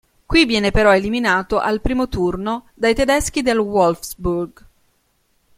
Qui viene però eliminato al primo turno dai tedeschi del Wolfsburg.